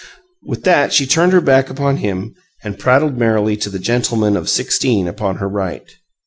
With that she turned her back upon him and prattled merrily to the gentleman of sixteen upon her right.